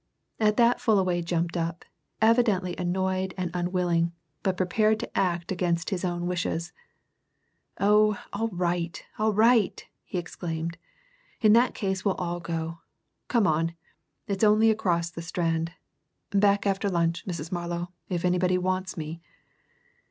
At that, Fullaway jumped up, evidently annoyed and unwilling, but prepared to act against his own wishes. "Oh, all right, all right!" he exclaimed. "In that case we'll all go. Come on it's only across the Strand. Back after lunch, Mrs. Marlow, if anybody wants me."